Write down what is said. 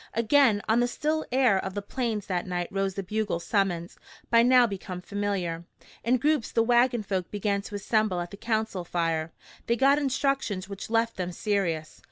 Again on the still air of the Plains that night rose the bugle summons, by now become familiar. In groups the wagon folk began to assemble at the council fire. They got instructions which left them serious.